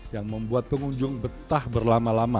yang membuat pengunjung betah berlama lama